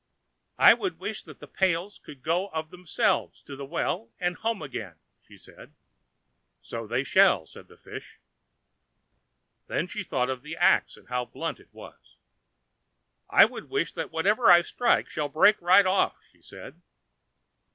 "I would wish that the pails could go of themselves to the well and home again," she said. "So they shall," said the fish. Then she thought of the ax, and how blunt it was. "I would wish that whatever I strike shall break right off," she said.